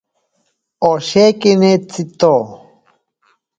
Oshekini tsiito.